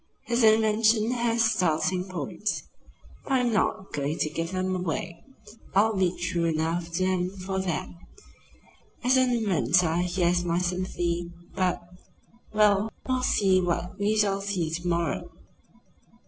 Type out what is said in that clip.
His invention has startling points. But I'm not going to give them away. I'll be true enough to him for that. As an inventor he has my sympathy; but Well, we will see what we shall see, to morrow.